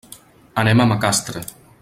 Anem a Macastre.